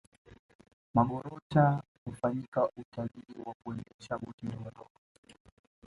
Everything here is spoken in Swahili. magorota hufanyika Utalii wa kuendesha boti ndogondogo